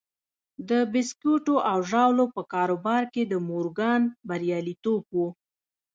د بيسکويټو او ژاولو په کاروبار کې د مورګان برياليتوب و.